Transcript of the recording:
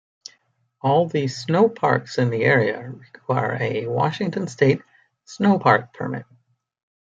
All the sno-parks in the area require a Washington state "Sno-Park Permit".